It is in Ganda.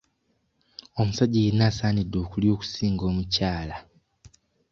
Omusajja yenna asaanidde okulya okusinga omukyala.